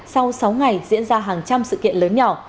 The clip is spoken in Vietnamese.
sau sáu ngày diễn ra hàng trăm sự kiện lớn nhỏ